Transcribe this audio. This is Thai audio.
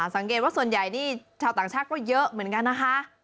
สังเกตว่าส่วนใหญ่นี่ชาวต่างชาติก็เยอะเหมือนกันนะคะ